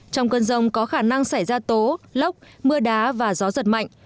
trong cơn rông có khả năng xảy ra tố lốc mưa đá và gió giật mạnh